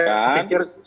saya pikir sih